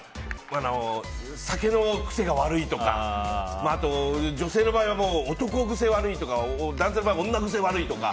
酒の癖が悪いとか女性の場合は男癖悪いとか男性の場合は女癖悪いとか。